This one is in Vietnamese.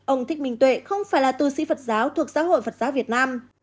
ông thích minh tuệ không phải là tư sĩ phật giáo thuộc xã hội phật giáo việt nam